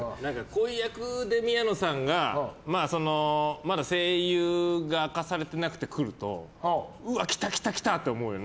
こういう役で宮野さんが、まだ声優が明かされていなくて来るとうわ、来た来たって思うよね。